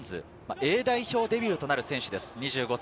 Ａ代表デビューとなる選手です、２５歳。